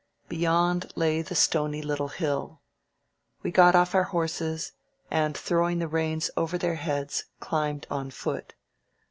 Beyond lay the stony little hill. We got off our horses, and throwing the reins over their heads, climbed on foot.